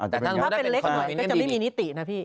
แต่ถ้าเป็นเล็กหน่อยก็จะไม่มีนิตินะพี่